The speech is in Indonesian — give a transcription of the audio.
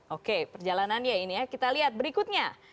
oke perjalanannya ini ya kita lihat berikutnya